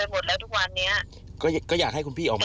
อยู่ช่องนู้นมาช่องนี้มาคนนู้นมาคนนี้มา